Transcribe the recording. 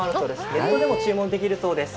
ネットでも注文できるそうです。